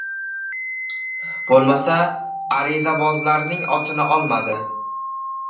Bo‘lmasa, arizabozlarning otini olmadi.